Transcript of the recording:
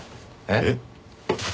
えっ？